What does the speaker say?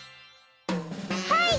はい！